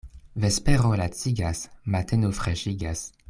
Vespero lacigas, mateno freŝigas.